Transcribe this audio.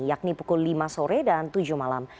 yakni pukul lima sore dan tujuh malam